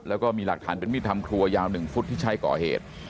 แล้วก็มีหลักฐานเป็นมีดทำครัวยาว๑ฟุตที่ใช้ก่อเหตุ